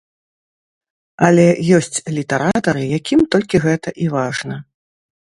Але ёсць літаратары, якім толькі гэта і важна.